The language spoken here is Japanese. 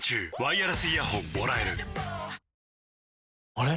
あれ？